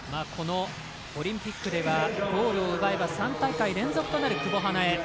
オリンピックではゴールを奪えば３大会連続となる久保英恵。